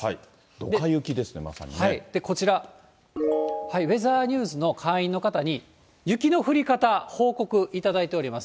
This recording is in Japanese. どか雪ですね、こちら、ウェザーニューズの会員の方に、雪の降り方、報告いただいております。